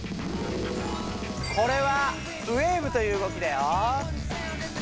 これはウェーブという動きだよ。